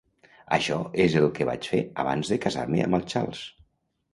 Això és el que vaig fer abans de casar-me amb el Charles.